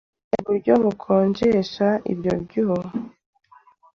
uburyo bukonjesha ibyo byuma